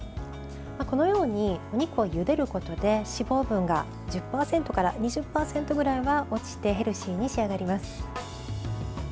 このように、お肉をゆでることで脂肪分が１０％から２０％ぐらいは落ちてヘルシーに仕上がります。